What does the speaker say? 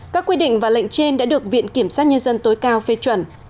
các quy định và lệnh trên đã được viện kiểm sát nhân dân tối cao phê chuẩn